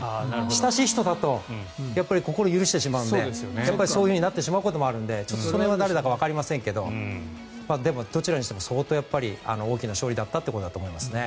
親しい人だと心を許してしまうのでそうなってしまうこともあるのでそれが誰だかわかりませんがでも、どちらにしても相当大きな勝利だったことだと思いますね。